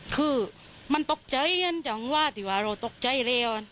คือมันตกใจจังว่าเราตกใจเลว